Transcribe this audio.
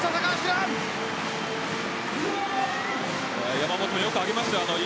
山本はよく上げましたよ。